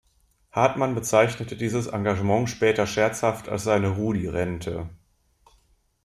Hartmann bezeichnete dieses Engagement später scherzhaft als seine „Rudi-Rente“.